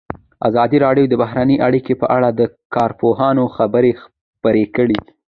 ازادي راډیو د بهرنۍ اړیکې په اړه د کارپوهانو خبرې خپرې کړي.